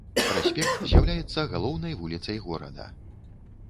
Праспект з'яўляецца галоўнай вуліцай горада.